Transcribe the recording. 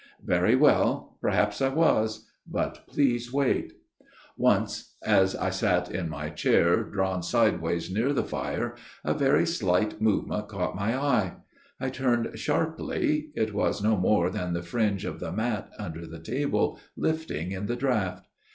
Very well, perhaps I was : but please wait. Once, as I sat in my chair drawn sideways near the fireplace a very slight movement caught my eye. I turned sharply ; it was no more than the fringe of the mat under the table lifting in the draught.